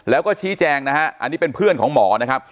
แล้วก็ชี้แจงนะฮะอันนี้เป็นเพื่อนของหมอนะครับ